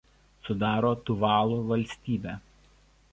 Sudaro Tuvalu valstybę.